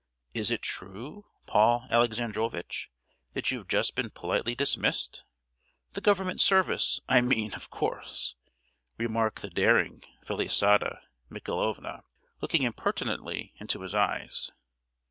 "Is it true, Paul Alexandrovitch, that you have just been politely dismissed?—the Government service, I mean, of course!" remarked the daring Felisata Michaelovna, looking impertinently into his eyes.